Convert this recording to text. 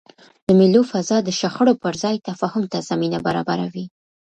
د مېلو فضا د شخړو پر ځای تفاهم ته زمینه برابروي.